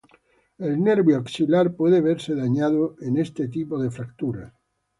El nervio axilar puede verse dañado en este tipo de fracturas.